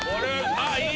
あっいい。